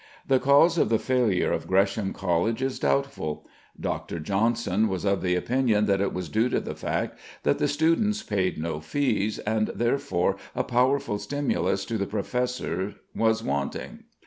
The cause of the failure of Gresham College is doubtful. Dr. Johnson was of opinion that it was due to the fact that the students paid no fees, and therefore a powerful stimulus to the professors was wanting.